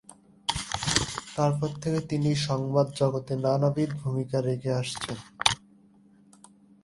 তারপর থেকে তিনি সংবাদ জগতে নানাবিধ ভূমিকা রেখে আসছেন।